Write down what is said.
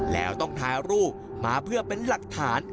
แล้วต้องถ่ายรูปมาเพื่อเป็นหลักฐาน